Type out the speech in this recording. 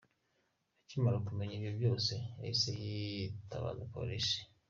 Akimara kumenya ibyo byose yahise yitabaza Polisi.